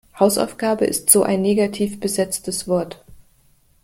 Hausaufgabe ist so ein negativ besetztes Wort.